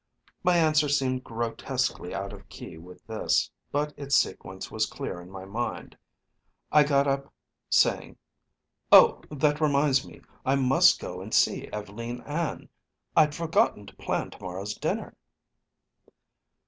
My answer seemed grotesquely out of key with this, but its sequence was clear in my mind. I got up, saying: "Oh, that reminds me I must go and see Ev'leen Ann. I'd forgotten to plan to morrow's dinner."